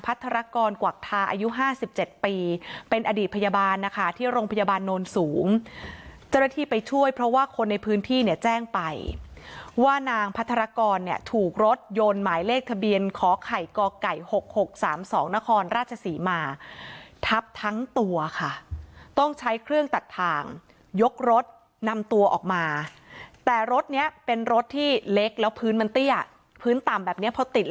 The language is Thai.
กรกวักทาอายุห้าสิบเจ็ดปีเป็นอดีตพยาบาลนะคะที่โรงพยาบาลโนนสูงเจ้าหน้าที่ไปช่วยเพราะว่าคนในพื้นที่เนี่ยแจ้งไปว่านางพัทรกรเนี่ยถูกรถยนต์หมายเลขทะเบียนขอไข่กไก่๖๖๓๒นครราชศรีมาทับทั้งตัวค่ะต้องใช้เครื่องตัดทางยกรถนำตัวออกมาแต่รถเนี้ยเป็นรถที่เล็กแล้วพื้นมันเตี้ยพื้นต่ำแบบนี้พอติด